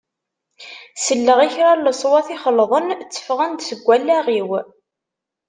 Selleɣ i kra n leṣwat ixelḍen tteffɣen-d seg wallaɣ-iw.